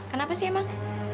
kenapa sih emang